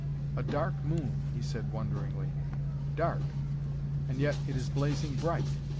"A dark moon!" he said wonderingly. "Dark! and yet it is blazing bright.